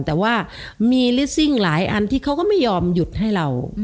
แต่ว่ามีลิสซิ่งหลายอันที่เขาก็ไม่ยอมหยุดให้เรา